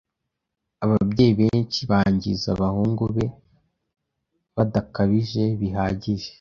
Ababyeyi benshi bangiza abahungu be badakabije bihagije.